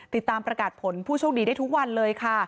ติดตามประกาศผลผู้โชคดีได้ทุกวันเลยค่ะ